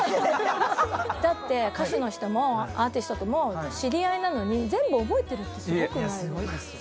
だって歌手の人もアーティストとも知り合いなのに全部覚えてるってすごくないですか？